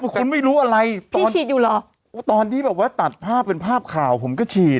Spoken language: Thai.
คุณไม่รู้อะไรตอนฉีดอยู่เหรอตอนที่แบบว่าตัดภาพเป็นภาพข่าวผมก็ฉีด